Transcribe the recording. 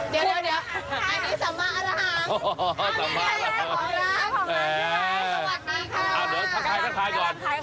เดี๋ยวอันนี้สัมมาอารหาง